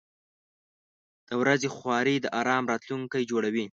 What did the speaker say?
• د ورځې خواري د آرام راتلونکی جوړوي.